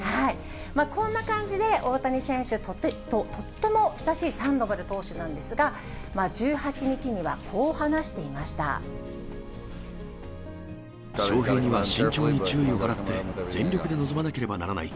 こんな感じで、大谷選手ととっても親しいサンドバル投手なんですが、１８日には、こう話していま翔平には慎重に注意を払って、全力で臨まなければならない。